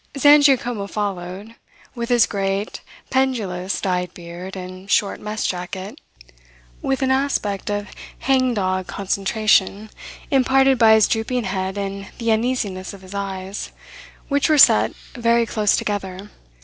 Zangiacomo followed, with his great, pendulous dyed beard and short mess jacket, with an aspect of hang dog concentration imparted by his drooping head and the uneasiness of his eyes, which were set very close together.